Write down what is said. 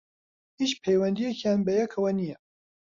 هیچ پەیوەندییەکیان بەیەکەوە نییە